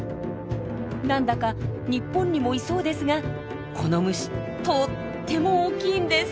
何だか日本にもいそうですがこの虫とっても大きいんです。